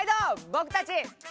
僕たち。